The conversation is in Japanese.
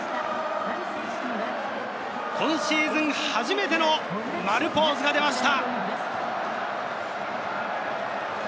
今シーズン初めての丸ポーズが出ました！